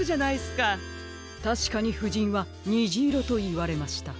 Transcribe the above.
たしかにふじんは「にじいろ」といわれました。